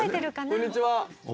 こんにちは。